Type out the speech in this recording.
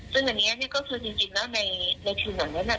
ซึ่งอย่างนี้ก็คือจริงแล้วในทิวหนังนั้น